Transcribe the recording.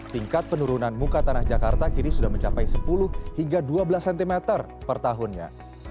tingkat penurunan muka tanah jakarta kini sudah mencapai sepuluh hingga dua belas cm per tahunnya